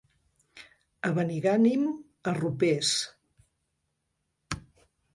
A Benigànim, arropers.